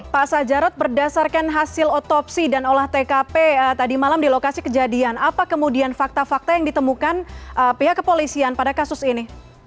pak sajarot berdasarkan hasil otopsi dan olah tkp tadi malam di lokasi kejadian apa kemudian fakta fakta yang ditemukan pihak kepolisian pada kasus ini